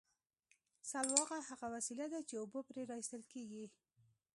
سلواغه هغه وسیله ده چې اوبه پرې را ایستل کیږي